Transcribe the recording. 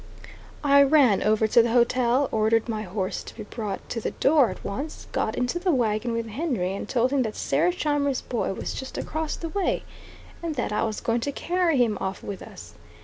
I ran over to the hotel; ordered my horse to be brought to the door at once, got into the wagon with Henry and told him that Sarah Scheimer's boy was just across the way, and that I was going to carry him off with us.